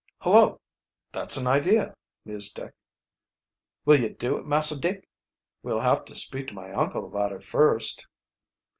"Hullo, that's an idea!" mused Dick. "Will yo' do it, Massah Dick?" "We'll have to speak to my uncle about it first."